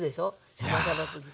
シャバシャバすぎて。